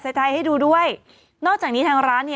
ไทยให้ดูด้วยนอกจากนี้ทางร้านเนี่ย